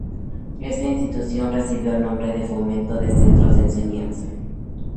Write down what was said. Esta institución recibió el nombre de Fomento de Centros de Enseñanza.